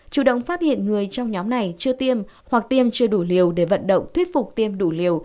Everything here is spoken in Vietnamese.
chủ động phát hiện người trong nhóm này chưa tiêm hoặc tiêm chưa đủ liều để vận động thuyết phục tiêm đủ liều